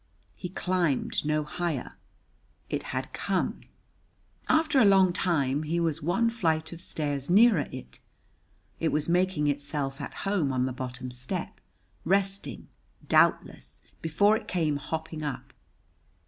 He climbed no higher. It had come. After a long time he was one flight of stairs nearer it. It was making itself at home on the bottom step; resting, doubtless, before it came hopping up.